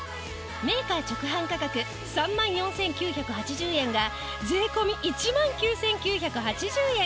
メーカー直販価格３万４９８０円が税込１万９９８０円。